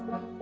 ya ya gak